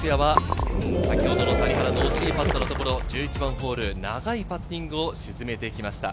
星野陸也はさき先ほどの谷原の惜しいパットのところ、１１番ホール長いパッティングを沈めてきました。